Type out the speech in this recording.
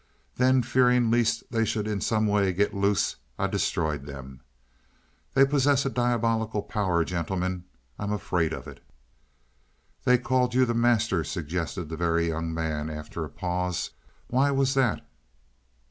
"Then fearing lest they should in some way get loose, I destroyed them. They possess a diabolical power, gentlemen; I am afraid of it." "They called you the Master," suggested the Very Young Man, after a pause. "Why was that?"